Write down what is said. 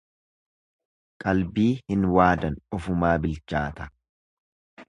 Qalbii hin waadan ofumaa bilchaata.